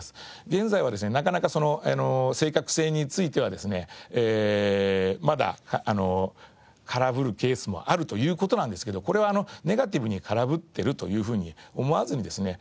現在はですねなかなか正確性についてはですねまだ空振るケースもあるという事なんですけどこれはネガティブに空振っているというふうに思わずにですね